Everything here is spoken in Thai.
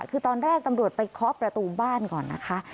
คือตอนแรกตำรวจไปเคาะประตูบ้านก่อนนะคะ